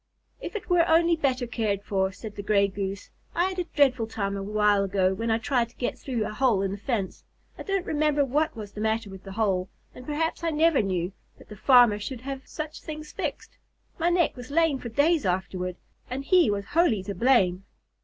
"If it were only better cared for," said the Gray Goose. "I had a dreadful time a while ago, when I tried to get through a hole in the fence. I don't remember what was the matter with the hole, and perhaps I never knew, but the farmer should have such things fixed. My neck was lame for days afterward, and he was wholly to blame."